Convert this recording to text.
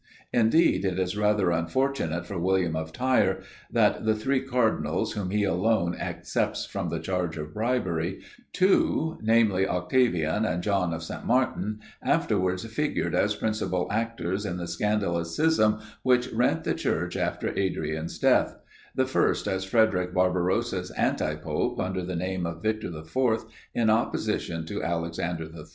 Indeed, it is rather unfortunate for William of Tyre, that of the three cardinals, whom he alone excepts from the charge of bribery, two, namely, Octavian, and John of St. Martin, afterwards figured as principal actors in the scandalous schism which rent the Church after Adrian's death: the first as Frederic Barbarossa's anti pope, under the name of Victor IV. in opposition to Alexander III.